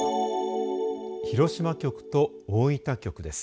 広島局と大分局です。